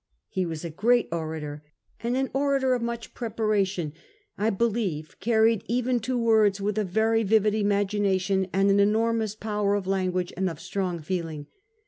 He was a great orator, and an orator of much preparation, I believe, carried even to words, with a very vivid imagination and an enormous power of language, and of strong feeling.